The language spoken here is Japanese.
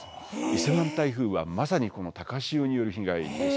伊勢湾台風はまさにこの高潮による被害でした。